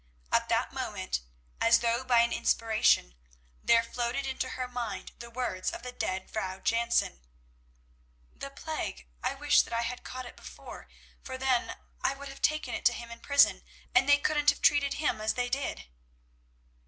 At that moment, as though by an inspiration, there floated into her mind the words of the dead Vrouw Jansen: "The plague, I wish that I had caught it before, for then I would have taken it to him in prison, and they couldn't have treated him as they did."